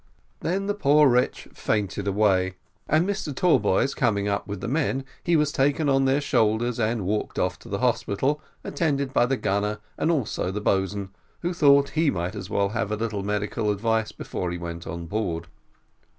Then the poor wretch fainted away: and Tallboys coming up with the men, he was taken on their shoulders and walked off to the hospital, attended by the gunner and also the boatswain, who thought he might as well have a little medical advice before he went on board.